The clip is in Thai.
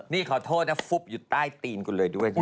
นี่ขอโทษนะฟุบอยู่ใต้ตีนคุณเลยด้วยนะ